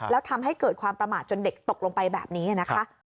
แล้วทำให้เกิดความประมาทจนเด็กตกลงไปแบบนี้นะคะ